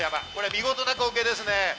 見事な光景ですね。